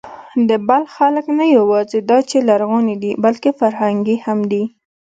د بلخ خلک نه یواځې دا چې لرغوني دي، بلکې فرهنګي هم دي.